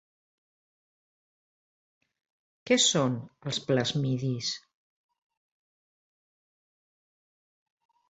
Què són els plasmidis?